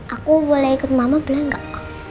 aku boleh ikut mama boleh gak